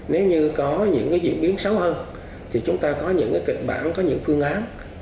nếu như có những diễn biến xấu hơn thì chúng ta có những kịch bản có những phương án